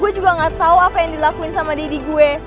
gue juga gak tahu apa yang dilakuin sama didi gue